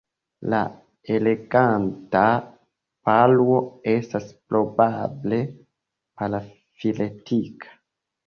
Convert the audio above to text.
La Eleganta paruo estas probable parafiletika.